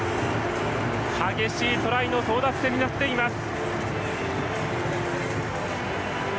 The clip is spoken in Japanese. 激しいトライの争奪戦になっています。